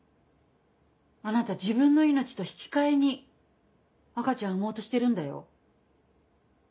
あなた自分の命と引き換えに赤ちゃん産もうとしてるんだよ。